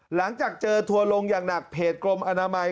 หลังจากเจอทัวร์ลงอย่างหนักเพจกรมอนามัย